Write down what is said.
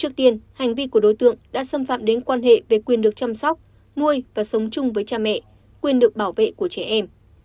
trước tiên hành vi của đối tượng đã xâm phạm đến quan hệ về quyền được chăm sóc nuôi và sống chung với cha mẹ quyền được bảo vệ của trẻ em